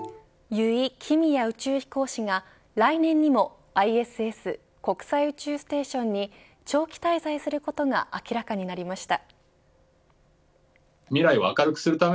油井亀美也宇宙飛行士が来年にもＩＳＳ、国際宇宙ステーションに長期滞在することが明らかになりました。